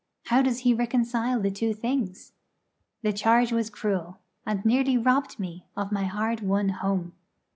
How does he reconcile the two things? The charge was cruel, and nearly robbed me of the hard won home.